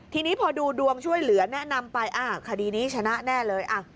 ทีนี้พอดูดวงช่วยเหลือแนะนำไปคดีนี้ชนะแน่เลย